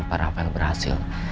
para rafael berhasil